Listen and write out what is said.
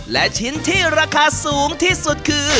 และชิ้นที่ราคาสูงที่สุดคือ